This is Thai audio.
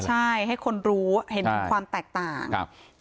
ใช่ให้คนรู้เห็นความแตกต่าง